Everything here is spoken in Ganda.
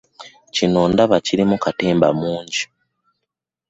Kino ndaba kirimu katemba mungi.